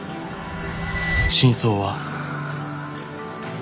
「真相は」。